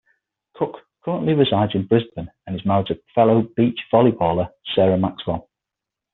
Cook currently resides in Brisbane and is married to fellow beach volleyballer Sarah Maxwell.